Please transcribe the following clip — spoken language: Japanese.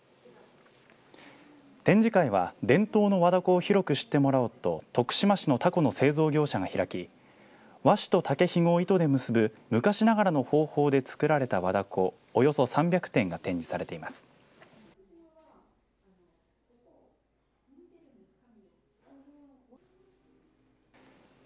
展示会は伝統の和だこを広く知ってもらおうと徳島市のたこの製造業者が開き和紙と竹ひごを糸で結ぶ昔ながらの方法で作られた和だこ